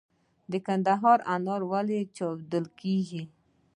د کندهار انار ولې چاودیږي؟